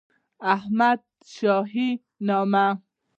احمدشاهي شهنامه